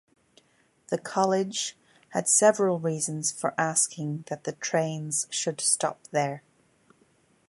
The college had several reasons for asking that the trains should stop there.